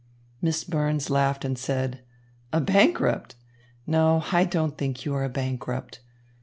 Miss Burns laughed and said: "A bankrupt? No, I don't think you are a bankrupt.